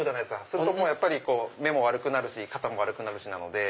そうすると目も悪くなるし肩も悪くなるしなので。